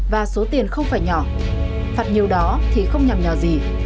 và số tiền không phải nhỏ phạt nhiều đó thì không nhằm nhỏ gì